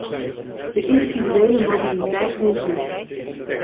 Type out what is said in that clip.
De individuele mobiliteit neemt toe.